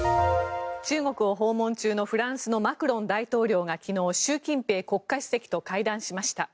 中国を訪問中のフランスのマクロン大統領が昨日、習近平国家主席と会談しました。